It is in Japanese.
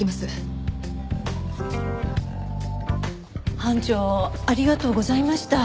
班長ありがとうございました。